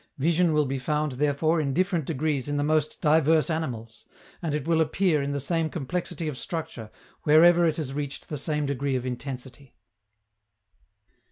Vision will be found, therefore, in different degrees in the most diverse animals, and it will appear in the same complexity of structure wherever it has reached the same degree of intensity.